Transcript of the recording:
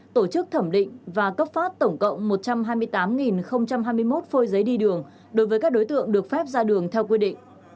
tổ chức thẩm định và cấp phát tổng cộng một trăm hai mươi tám hai mươi một phôi giấy đi đường đối với các đối tượng được phép ra đường theo quy định